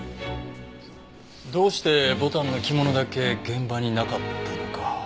どうして牡丹の着物だけ現場になかったのか。